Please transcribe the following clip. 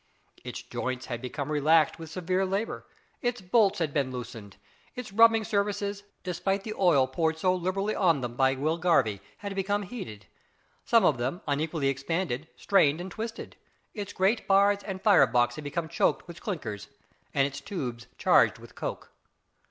Its joints had become relaxed with severe labour, its bolts had been loosened, its rubbing surfaces, despite the oil poured so liberally on them by Will Garvie, had become heated. Some of them, unequally expanded, strained and twisted; its grate bars and fire box had become choked with "clinkers," and its tubes charged with coke.